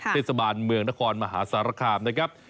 เทศบาลเมืองนครมหาสารคามนะครับ